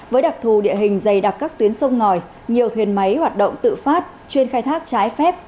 với đặc thù địa hình dày đặc các tuyến sông ngòi nhiều thuyền máy hoạt động tự phát chuyên khai thác trái phép